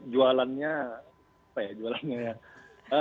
jualannya apa ya jualannya ya